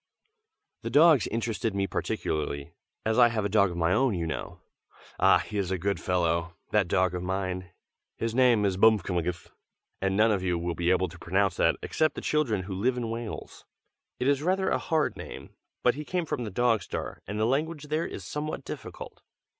The dogs interested me particularly, as I have a dog of my own, you know. Ah! he is a good fellow, that dog of mine! His name is Bmfkmgth, and none of you will be able to pronounce that, except the children who live in Wales. It is rather a hard name, but he came from the Dog Star, and the language there is somewhat difficult.